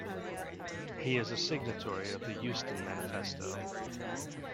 He is a signatory of the Euston Manifesto.